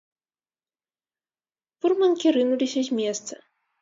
Фурманкі рынуліся з месца.